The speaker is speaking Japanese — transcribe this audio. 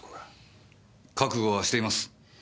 覚悟はしています。